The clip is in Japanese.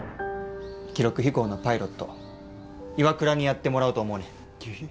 記録飛行のパイロット岩倉にやってもらおうと思うねん。